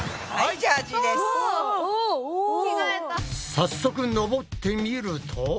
早速登ってみると。